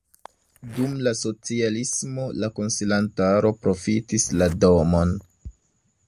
Dum la socialismo la konsilantaro profitis la domon.